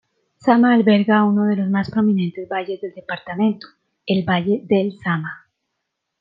Sama alberga uno de los más prominentes valles del departamento, el valle del Sama.